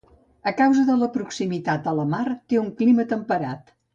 A causa de la proximitat a la mar, té un clima temperat.